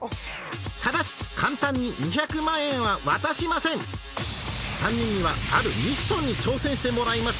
ただし簡単に２００万円は渡しません３人にはあるミッションに挑戦してもらいます